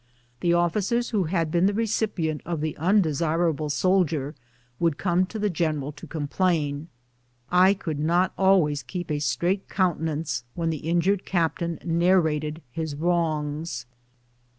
The officers who had been the recipient of the undesirable soldier would come to the general to complain. I could not always keep a straight countenance when the in jured captain narrated his wrongs.